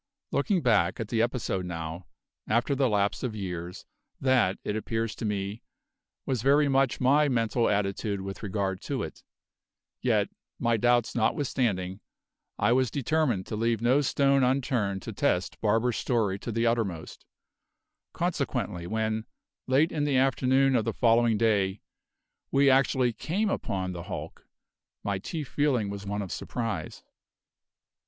Looking back at the episode now, after the lapse of years, that, it appears to me, was very much my mental attitude with regard to it; yet, my doubts notwithstanding, I was determined to leave no stone unturned to test Barber's story to the uttermost; consequently when, late in the afternoon of the following day, we actually came upon the hulk, my chief feeling was one of surprise.